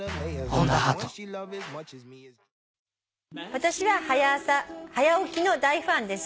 「私は『はや朝』『はや起き』の大ファンです」